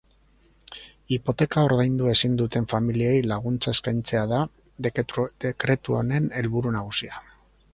Hipoteka ordaindu ezin duten familiei laguntza eskaintzea da dekretu honen helburu nagusia.